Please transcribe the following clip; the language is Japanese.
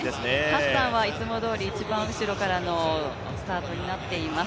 ハッサンはいつもどおり一番後ろからのスタートになっています。